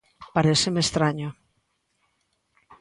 Paréceme estraño.